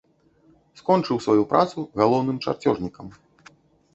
Скончыў сваю працу галоўным чарцёжнікам.